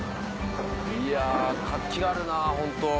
いや活気があるなホント。